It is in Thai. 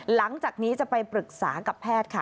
หลังจากนี้จะไปปรึกษากับแพทย์ค่ะ